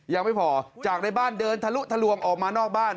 ยังไม่พอจากในบ้านเดินทะลุทะลวงออกมานอกบ้าน